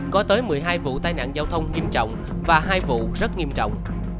có tới một mươi hai vụ tai nạn giao thông nghiêm trọng và hai vụ rất nghiêm trọng